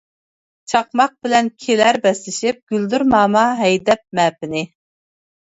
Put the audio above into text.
چاقماق بىلەن كېلەر بەسلىشىپ، گۈلدۈرماما ھەيدەپ مەپىنى.